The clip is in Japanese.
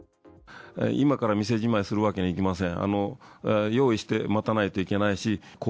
今から店じまいするわけにはいきません。